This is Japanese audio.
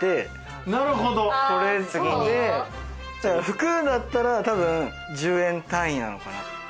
服だったら多分１０円単位なのかな。